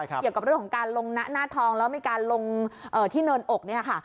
เกี่ยวกับเรื่องของการลงหน้าทองแล้วมีการลงที่เนินอกเนี่ยค่ะ